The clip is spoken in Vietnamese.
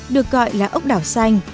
được gọi là ốc đảo xanh